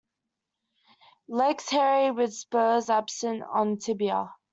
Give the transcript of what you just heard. Legs hairy with spurs absent on tibia.